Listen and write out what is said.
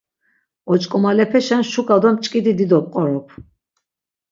Oç̆k̆omalepeşen şuk̆a do mç̌k̆idi dido pqorop.